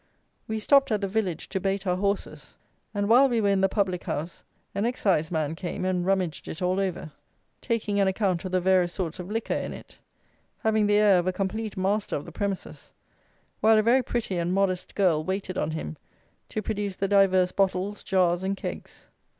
We stopped at the village to bait our horses; and while we were in the public house an Exciseman came and rummaged it all over, taking an account of the various sorts of liquor in it, having the air of a complete master of the premises, while a very pretty and modest girl waited on him to produce the divers bottles, jars, and kegs.